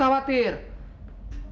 tapi gak pelihara monyet